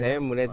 saya mulai cakap